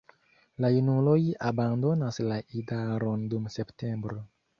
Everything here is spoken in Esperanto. La junuloj abandonas la idaron dum septembro.